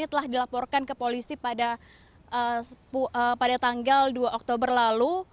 telah dilaporkan ke polisi pada tanggal dua oktober lalu